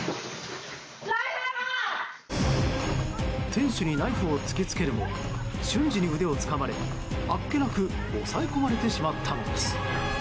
店主にナイフを突きつけるも瞬時に腕をつかまれあっけなく押さえ込まれてしまったのです。